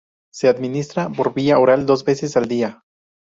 Se administra por vía oral dos veces al día.